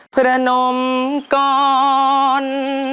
พระนมก่อน